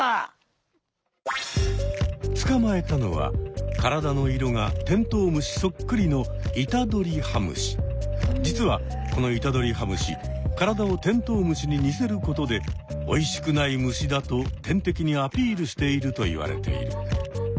つかまえたのは体の色がテントウムシそっくりの実はこのイタドリハムシ体をテントウムシに似せることでおいしくない虫だと天敵にアピールしているといわれている。